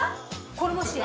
これもしや？